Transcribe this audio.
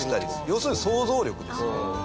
要するに想像力ですよね。